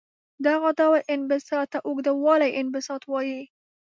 دغه ډول انبساط ته اوږدوالي انبساط وايي.